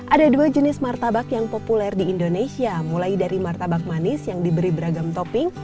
ada dua jenis martabak yang populer di indonesia mulai dari martabak manis yang diberi beragam topping